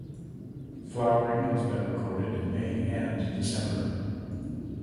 Flowering has been recorded in May and December.